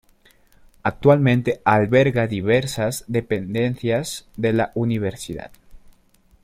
Actualmente alberga diversas dependencias de la Universidad.